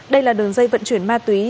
đây là đường dây vận chuyển ma túy